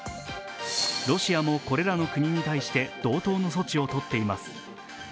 ロシアもこれらの国に対して同等の措置を取っています。